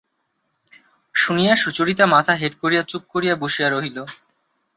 শুনিয়া সুচরিতা মাথা হেঁট করিয়া চুপ করিয়া বসিয়া রহিল।